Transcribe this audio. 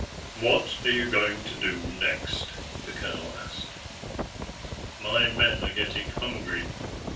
"What are you going to do next?" the colonel asked. "My men are getting hungry."